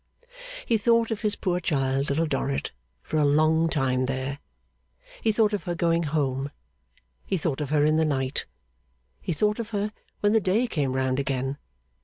He thought of his poor child, Little Dorrit, for a long time there; he thought of her going home; he thought of her in the night; he thought of her when the day came round again.